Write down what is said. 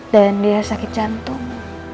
dan dia sakit jantung